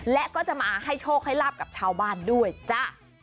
และก็จะมาให้โชคให้ลาบกับชาวบ้านด้วยจ้ะ